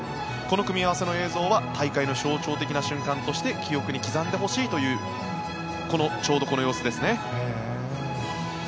この組み合わせの映像は大会の象徴的な瞬間として記憶に刻んでほしいというちょうどこの様子ですね。